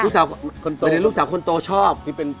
เป็นลูกสาวคนโตชอบ